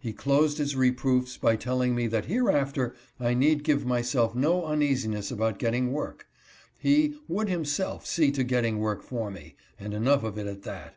He closed his reproofs by telling me that hereafter I need give myself no uneasiness about getting work ; he " would himself see to getting work for me, and enough of it at that."